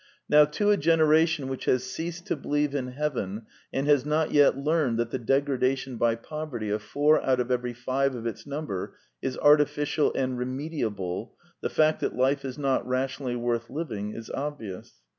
Now to a generation which has ceased to believe in heaven, and has not yet learned that the degradation by poverty of four out of every five of its number is artificial and remedi able, the fact that life is not rationally worth liv ing is obvious.